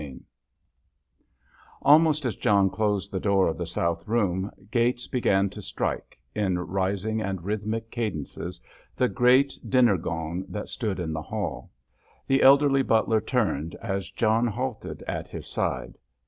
CHAPTER XXX Almost as John closed the door of the south room Gates began to strike, in rising and rhythmic cadences, the great dinner gong that stood in the hall. The elderly butler turned as John halted at his side.